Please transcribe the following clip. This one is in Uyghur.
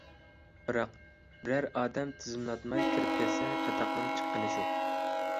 بىراق بىرەر ئادەم تىزىملاتماي كىرىپ كەتسە چاتاقنىڭ چىققىنى شۇ.